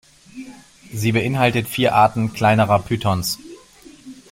Sie beinhaltet vier Arten kleinerer Pythons.